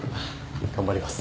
頑張ります。